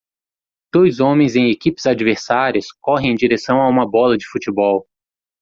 Dois homens em equipes adversárias correm em direção a uma bola de futebol